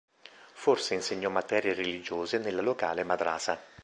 Forse insegnò materie religiose nella locale madrasa.